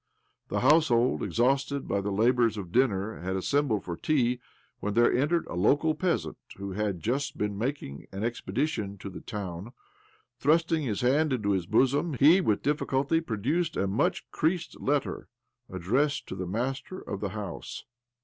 The 'household, exhausted by the labours of dinner, had assembled for tea, when there entered a local peasant who had just been making an expedition to the town. Thirusting his hand into his bosom, he with difficulty produced a much creased letter, addressed to the master of the house.